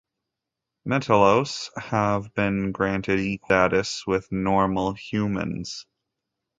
Metallos have been granted equal status with 'normal' humans.